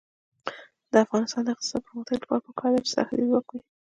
د افغانستان د اقتصادي پرمختګ لپاره پکار ده چې سرحدي ځواک وي.